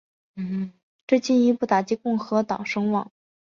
这进一步打击共和党声望。